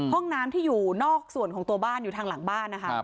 ห้องน้ำที่อยู่นอกส่วนของตัวบ้านอยู่ทางหลังบ้านนะคะ